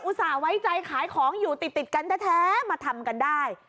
ส่าห์ไว้ใจขายของอยู่ติดกันแท้มาทำกันได้